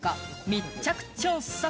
密着調査。